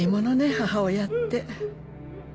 母親って。